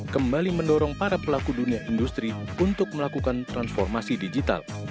dua ribu delapan belas kembali mendorong para pelaku dunia industri untuk melakukan transformasi digital